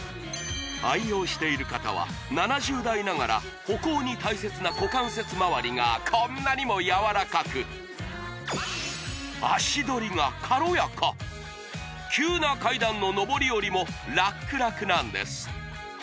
愛用している方は７０代ながら歩行に大切な股関節まわりがこんなにも柔らかく足取りが軽やか急な階段ののぼりおりもラクラクなんです